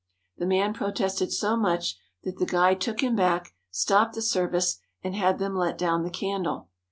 The man protested so much that the guide took him back, stopped the service, and had them let down the candle.